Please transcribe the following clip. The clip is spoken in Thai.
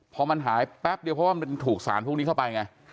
พอมันหายแป๊บเดียวเพราะว่ามันถูกสารพวกนี้เข้าไปไง